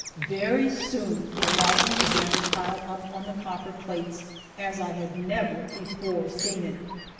Very soon the amalgam began to pile up on the copper plates as I had never before seen it.